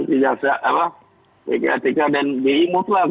dan juga dengan kktk dan bi mutlak